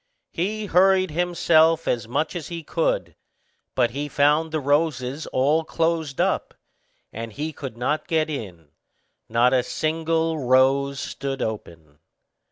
He hurried himself as much as he could; but he found the roses all closed up, and he could not get in; not a single rose stood open.